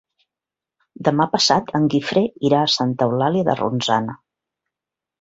Demà passat en Guifré irà a Santa Eulàlia de Ronçana.